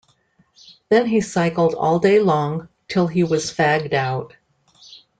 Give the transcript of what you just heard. Then he cycled all day long, till he was fagged out.